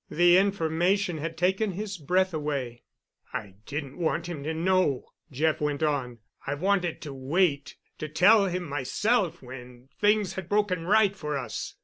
The information had taken his breath away. "I didn't want him to know," Jeff went on. "I wanted to wait—to tell him myself when things had broken right for us.